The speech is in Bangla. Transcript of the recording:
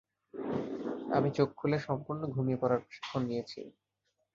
আমি চোখ খুলে সম্পূর্ণ ঘুমিয়ে পড়ার প্রশিক্ষণ নিয়েছি।